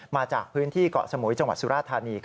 มาจากพื้นที่เกาะสมุยจังหวัดสุราธานี